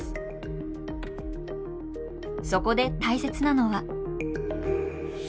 そこで大切なのは。